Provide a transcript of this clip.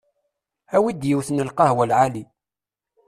Awi-d yiwet n lqahwa lɛali.